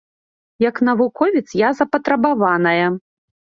Як навуковец я запатрабаваная.